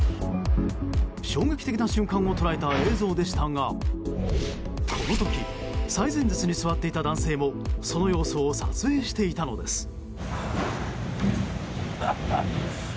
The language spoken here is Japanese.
衝撃的な瞬間を捉えた映像でしたがこの時最前列に座っていた男性もその様子を撮影していたのです。